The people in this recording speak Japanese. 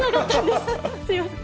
すみません。